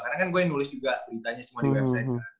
karena kan gue yang nulis juga beritanya semua di website